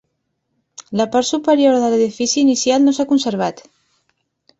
La part superior de l'edifici inicial no s'ha conservat.